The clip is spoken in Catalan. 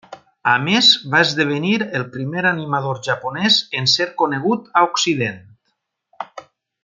A més va esdevenir el primer animador japonès en ser conegut a occident.